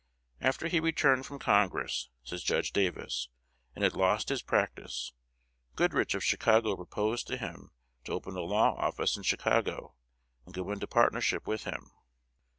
"After he had returned from Congress," says Judge Davis, "and had lost his practice, Goodrich of Chicago proposed to him to open a law office in Chicago, and go into partnership with him.